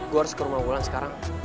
gue harus ke rumah bulan sekarang